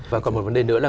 và còn một vấn đề nữa là